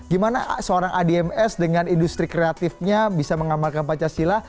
gimana seorang adms dengan industri kreatifnya bisa mengamalkan pancasila